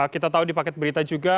kita tahu di paket berita juga